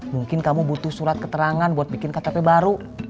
mungkin kamu butuh surat keterangan buat bikin ktp baru